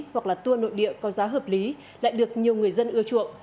hoặc là tour nội địa có giá hợp lý lại được nhiều người dân ưa chuộng